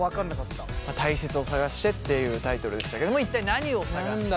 「たいせつを探して」っていうタイトルでしたけども一体何を探して。